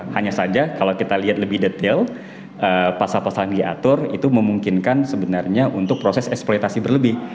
hanya saja kalau kita lihat lebih detail pasal pasal yang diatur itu memungkinkan sebenarnya untuk proses eksploitasi berlebih